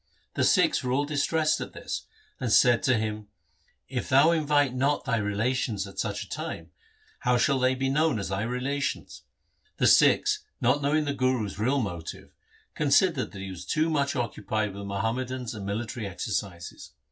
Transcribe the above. The Sikhs were all distressed at this, and said to him,' If thou invite not thy relations at such a time, how shall they be known as thy relations ?' The Sikhs not knowing the Guru's real motive considered that he was too much occupied with Muhammadans and military exercises.